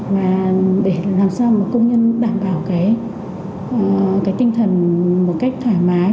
và để làm sao mà công nhân đảm bảo cái tinh thần một cách thoải mái